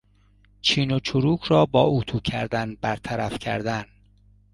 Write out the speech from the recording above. چین و چروک را با اطو کردن برطرف کردن